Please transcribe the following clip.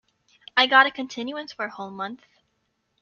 I got a continuance for a whole month.